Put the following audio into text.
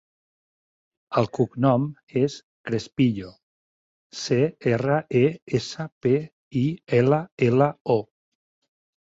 El cognom és Crespillo: ce, erra, e, essa, pe, i, ela, ela, o.